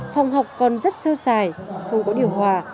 phòng học còn rất sâu xài không có điều hòa